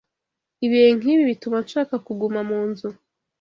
Ibihe nkibi bituma nshaka kuguma mu nzu.